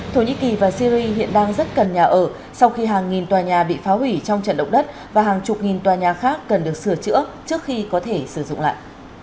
thổ nhĩ kỳ và syri hiện đang rất cần nhà ở sau khi hàng nghìn tòa nhà bị phá hủy trong trận động đất và hàng chục nghìn tòa nhà khác cần được sửa chữa trước khi có thể sử dụng lại